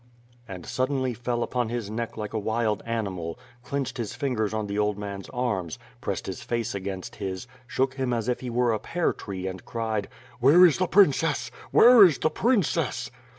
And suddenly fell upon his neck like a wild animal; clenched his fingers on the old man's arms, pressed his face against his, shook him as if he were a pear tree and cried: "WTiere is the princess? Where is the princess?"